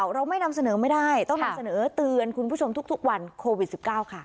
เราไม่นำเสนอไม่ได้ต้องนำเสนอเตือนคุณผู้ชมทุกวันโควิด๑๙ค่ะ